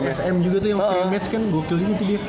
yang pas lawan sm juga tuh yang scrimmage kan gokil gitu dia